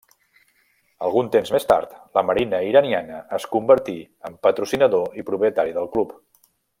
Algun temps més tard la marina iraniana es convertí en patrocinador i propietari del club.